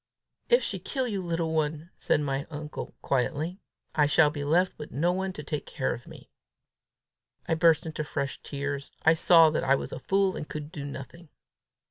"If she kill you, little one," said my uncle quietly, "I shall be left with nobody to take care of me!" I burst into fresh tears. I saw that I was a fool, and could do nothing.